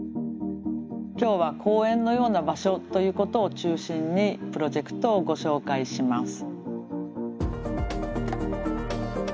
今日は公園のような場所ということを中心にプロジェクトをご紹介します。